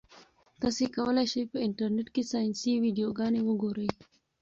تاسي کولای شئ په انټرنيټ کې ساینسي ویډیوګانې وګورئ.